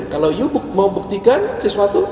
kalau kamu mau membuktikan sesuatu